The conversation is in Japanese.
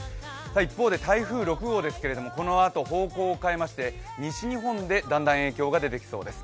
一方で台風６号ですけれども、このあと方向を変えまして西日本でだんだん影響が出てきそうです。